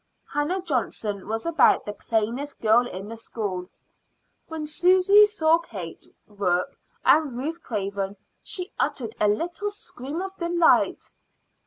Hannah Johnson was about the plainest girl in the school. When Susy saw Kate Rourke and Ruth Craven she uttered a little scream of delight.